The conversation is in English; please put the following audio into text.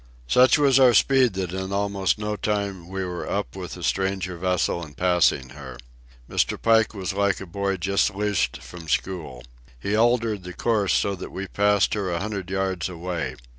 Such was our speed that in almost no time we were up with the stranger vessel and passing her. Mr. Pike was like a boy just loosed from school. He altered our course so that we passed her a hundred yards away.